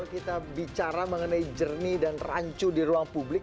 kita bicara mengenai jernih dan rancu di ruang publik